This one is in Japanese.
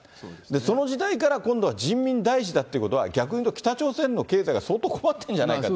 その時代から今度は人民第一だということは、逆にいうと北朝鮮の経済が相当困っているんじゃないかと。